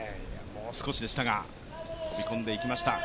もう少しでしたが飛び込んでいきました。